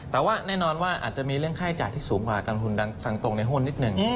แต่ว่าแน่นอนว่าอาจจะมีเรื่องค่าจ่ายที่สูงกว่าการลงทุนดังตรงในหุ้นนิดหนึ่ง